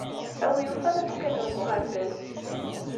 A win yufan ad teqqimem deg uɣerbaz.